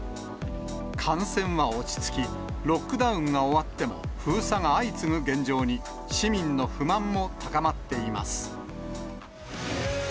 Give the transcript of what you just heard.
感染は落ち着き、ロックダウンが終わっても封鎖が相次ぐ現状に、市民の不満も高まっています。